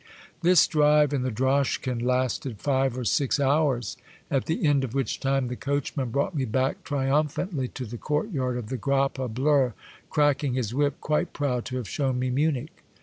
This drive in the droschken lasted five or six hours, at the end of which time the coachman brought me back triumphantly to the courtyard of the Grappe Bleiie, cracking his whip, quite proud to have shown me Munich.